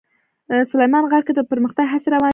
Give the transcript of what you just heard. سلیمان غر کې د پرمختګ هڅې روانې دي.